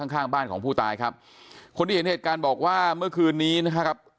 ข้างข้างบ้านของผู้ตายครับคนที่เห็นเหตุการณ์บอกว่าเมื่อคืนนี้นะครับ